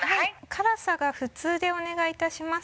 辛さが普通でお願いいたします。